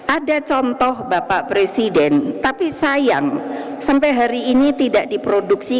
ada contoh bapak presiden tapi sayang sampai hari ini tidak diproduksi